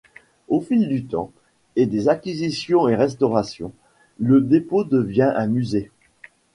Au fil du temps et des acquisitions et restauration, le dépôt devient un musée.